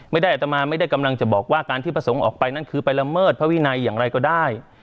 อัตมาไม่ได้กำลังจะบอกว่าการที่พระสงฆ์ออกไปนั่นคือไปละเมิดพระวินัยอย่างไรก็ได้